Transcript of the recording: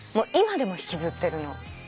今でも引きずってるの。